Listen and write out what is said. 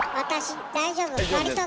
私大丈夫。